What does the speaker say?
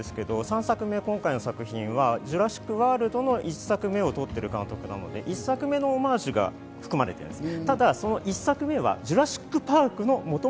２作目は違う監督をやっていますが、３作目の今回の作品は『ジュラシック・ワールド』の１作目をとっている監督なので、１作目のオマージュが含まれています。